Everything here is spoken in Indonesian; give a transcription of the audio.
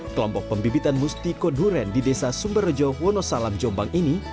kelompok pembibitan mustikon huren di desa sumberjo wonosalam jombang ini